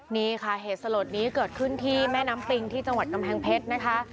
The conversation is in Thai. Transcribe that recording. นี่ค่ะเหตุสลดนี้เกิดขึ้นที่แม่น้ำปิงที่จังหวัดกำแพงเพชรนะคะ